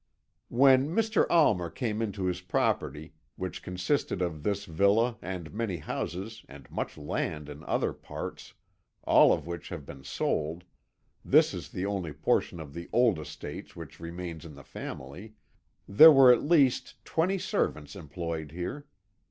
"When Mr. Almer came into his property, which consisted of this villa and many houses and much land in other parts, all of which have been sold this is the only portion of the old estates which remains in the family there were at least twenty servants employed here.